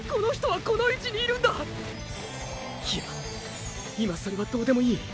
いや今それはどうでもいい！！